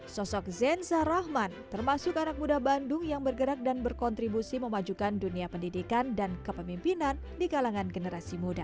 sosok zenza rahman termasuk anak muda bandung yang bergerak dan berkontribusi memajukan dunia pendidikan dan kepemimpinan di kalangan generasi muda